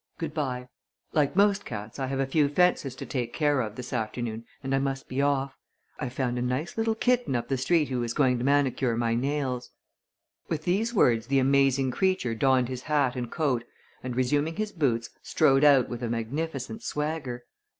Good bye. Like most cats, I have a few fences to take care of this afternoon and I must be off. I've found a nice little kitten up the street who is going to manicure my nails." With these words the amazing creature donned his hat and coat and, resuming his boots, strode out with a magnificent swagger.